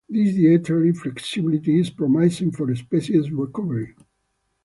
This dietary flexibility is promising for species recovery.